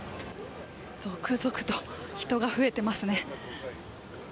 続々と人が増えていますね。